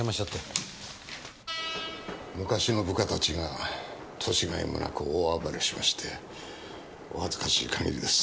昔の部下たちが年甲斐もなく大暴れしましてお恥ずかしい限りです。